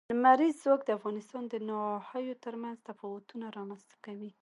لمریز ځواک د افغانستان د ناحیو ترمنځ تفاوتونه رامنځ ته کوي.